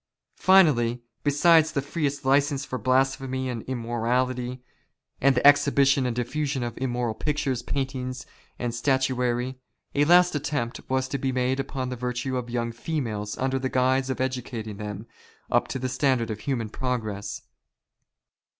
Finally, besides the freest licence for blasphemy and SG WAR OF ANTICHRIST WITH THE CHURCH. immorality, and tlie exhibition and diiFusion of immoral pictures, paintings, and statuary, a last attempt was to be made upon the virtue of young females under the guise of educating them up to the standard of human progress.